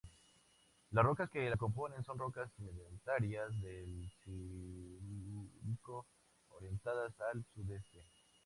Las rocas que la componen son rocas sedimentarias del Silúrico, orientadas al sudeste.